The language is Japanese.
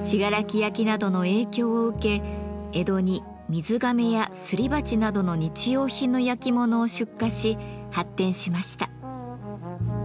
信楽焼などの影響を受け江戸に水がめやすり鉢などの日用品の焼き物を出荷し発展しました。